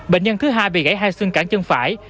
bệnh nhân thứ hai bị gãy hai xương cản chân phải